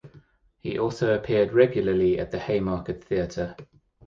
He also appeared regularly at the Haymarket Theatre.